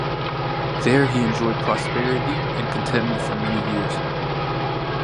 There he enjoyed prosperity and contentment for many years.